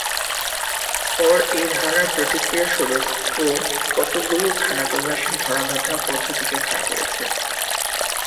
ওর এই ধারণার প্রতিক্রিয়া স্বরূপ ও কতকগুলো খানাতল্লাশির ধরাবাঁধা পদ্ধতিকে খাড়া করেছে।